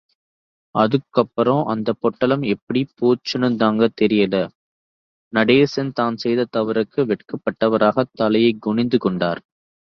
அதுக்கப்புறம் அந்தப் பொட்டலம் எப்படி போச்சுன்னுதாங்க தெரியலே... நடேசன் தான் செய்த தவறுக்கு வெட்கப்பட்டவராக தலையைக் குனிந்து கொண்டார்.